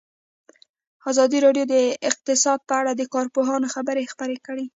ازادي راډیو د اقتصاد په اړه د کارپوهانو خبرې خپرې کړي.